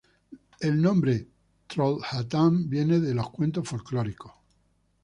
El nombre Trollhättan viene de los cuentos folclóricos.